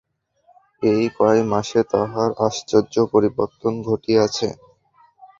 এই কয় মাসে তাহার আশ্চর্য পরিবর্তন ঘটিয়াছে।